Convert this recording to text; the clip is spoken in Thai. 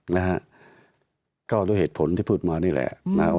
เขาบอกมาตั้งแต่เริ่มมีเรื่องแล้ว